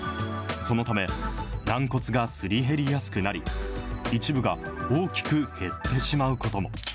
そのため、軟骨がすり減りやすくなり、一部が大きく減ってしまうことも。